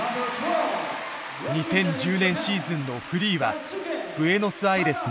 ２０１０年シーズンのフリーは「ブエノスアイレスの冬」。